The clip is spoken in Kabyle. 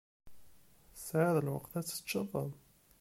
Tesɛiḍ lweqt ad teččeḍ?